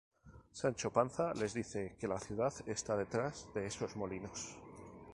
Sancho Panza les dice que la ciudad está detrás de "esos molinos".